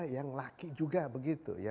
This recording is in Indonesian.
yang laki juga begitu